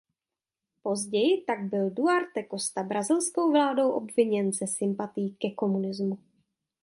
Později tak byl Duarte Costa brazilskou vládou obviněn ze sympatií ke komunismu.